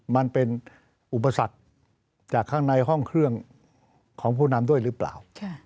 มันเป็นอุปสรรคจากข้างในห้องเครื่องของผู้นำด้วยหรือเปล่า